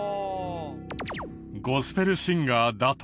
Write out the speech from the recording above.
ゴスペルシンガーだと。